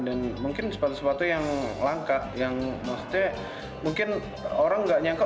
dan mungkin sepatu sepatu yang langka yang maksudnya mungkin orang nggak nyangka